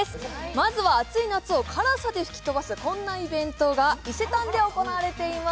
まずは暑い中を辛さで吹き飛ばす、こんなイベントが伊勢丹で行われています。